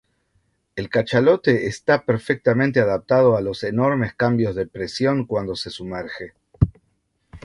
El cachalote esta perfectamente adaptado a los enormes cambios de presión cuando se sumerge.